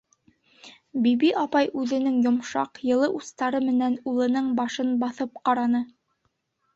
Биби апай үҙенең йомшаҡ, йылы устары менән улының башын баҫып ҡараны.